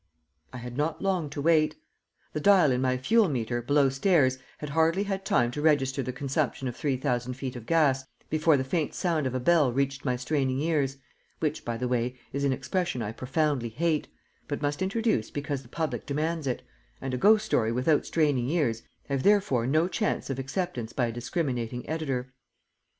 I had not long to wait. The dial in my fuel meter below stairs had hardly had time to register the consumption of three thousand feet of gas before the faint sound of a bell reached my straining ears which, by the way, is an expression I profoundly hate, but must introduce because the public demands it, and a ghost story without straining ears having therefore no chance of acceptance by a discriminating editor.